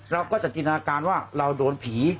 เราก็จะจินตนาการว่าเราโดนผี